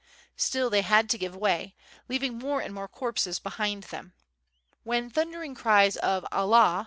Still they had to give way, leaving more and more corpses behind them. When thundering cries of "Allah!"